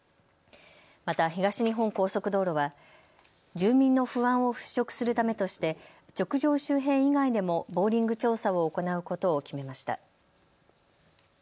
また東日本高速道路は住民の不安を払拭するためとして直上周辺以外でもボーリング調査を行うことを決めました。